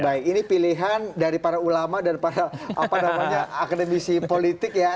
baik ini pilihan dari para ulama dan para akademisi politik ya